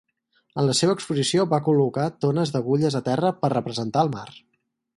En la seva exposició va col·locar tones d'agulles a terra per representar el mar.